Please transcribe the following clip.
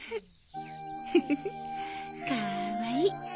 フフフかーわいい！